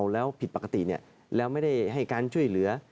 แล้วผิดปกติแล้วไม่ได้ให้การช่วยเหลือ